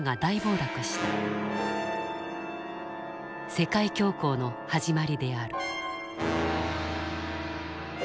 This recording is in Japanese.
世界恐慌の始まりである。